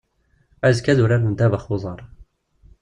Azekka ad uraren ddabax n uḍar.